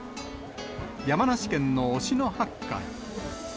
山梨県の忍野八海。